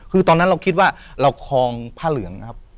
คือตอนนั้นเราคิดว่าเราคลองผ้าเหลืองนะครับ